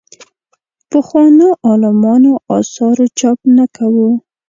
پخوانو عالمانو اثارو چاپ نه کوو.